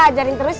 ajarin terus ya